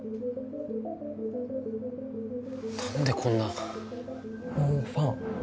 何でこんな「もうファン！！」